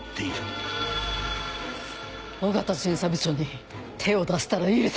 緒方巡査部長に手を出したら許さない。